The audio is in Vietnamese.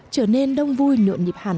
trở nên đông vui nhuộm nhịp hẳn